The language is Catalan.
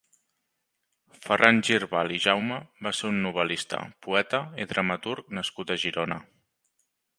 Ferran Girbal i Jaume va ser un novel·lista, poeta i dramaturg nascut a Girona.